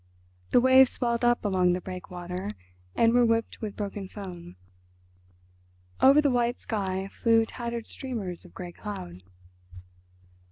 The waves swelled up along the breakwater and were whipped with broken foam. Over the white sky flew tattered streamers of grey cloud.